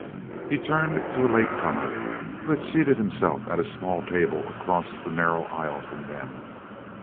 He turned to a late comer who had seated himself at a small table across the narrow aisle from them.